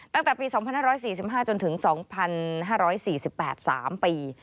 ตั้งแต่ปี๒๕๔๕จนถึง๒๕๔๘๓ปี